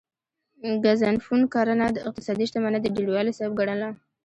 ګزنفون کرنه د اقتصادي شتمنۍ د ډیروالي سبب ګڼله